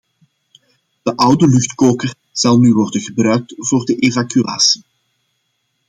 De oude luchtkoker zal nu worden gebruikt voor de evacuatie.